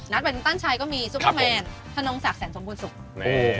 นัดแบบนี้ตั้นชัยก็มีซุปเปอร์แมนธนงศักดิ์แสนสมบูรณ์ศุกร์